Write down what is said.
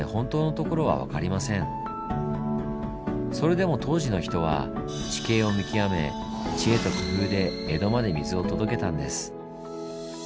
それでも当時の人は地形を見極め知恵と工夫で江戸まで水を届けたんです。